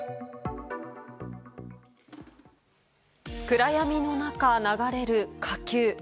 暗闇の中、流れる火球。